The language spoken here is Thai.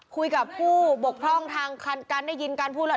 คุยกับผู้บกพร่องทางการได้ยินการพูดแล้ว